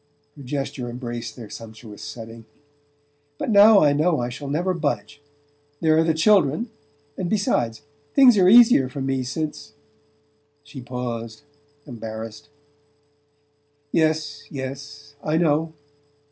Her gesture embraced their sumptuous setting. "But now I know I shall never budge. There are the children; and besides, things are easier for me since " she paused, embarrassed. "Yes, yes; I know."